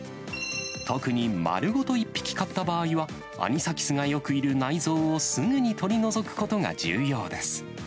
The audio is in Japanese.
特に、丸ごと１匹買った場合は、アニサキスがよくいる内臓をすぐに取り除くことが重要です。